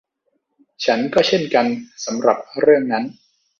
ฉันก็เช่นกันสำหรับเรื่องนั้น